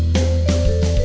kok gak ada